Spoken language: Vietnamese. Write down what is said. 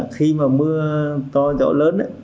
khi mà mưa to gió lớn